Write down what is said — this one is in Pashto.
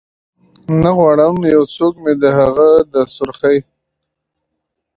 نه غواړم یو څوک مې د هغه د سرخۍ